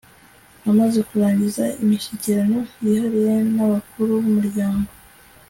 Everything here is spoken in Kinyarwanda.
amaze kurangiza imishyikirano yihariye n'abakuru b'umuryango